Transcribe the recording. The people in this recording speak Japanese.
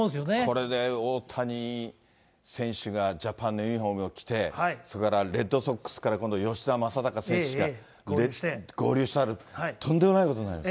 これで大谷選手がジャパンのユニホームを着て、それからレッドソックスから今度、吉田正尚選手が合流したらとんでもないことになります。